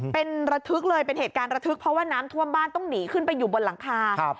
เป็นระทึกเลยเป็นเหตุการณ์ระทึกเพราะว่าน้ำท่วมบ้านต้องหนีขึ้นไปอยู่บนหลังคา